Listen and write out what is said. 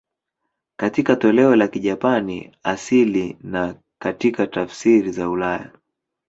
Katika toleo la Kijapani asili na katika tafsiri za ulaya.